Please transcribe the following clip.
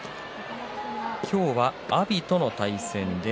今日は阿炎との対戦です。